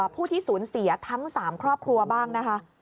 ผู้ที่สูญเสียทั้ง๓ครอบครัวบ้างนะคะ